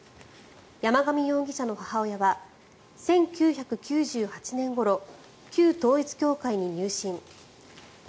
山上容疑者の母親は１９９８年ごろ旧統一教会に入信。